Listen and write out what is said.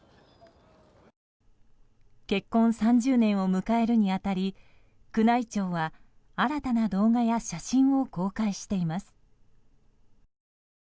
結婚３０年を迎えるに当たり宮内庁は新たな動画や写真を公開しています。